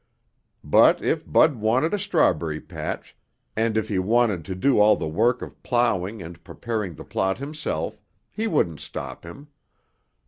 But if Bud wanted a strawberry patch, and if he wanted to do all the work of plowing and preparing the plot himself, he wouldn't stop him.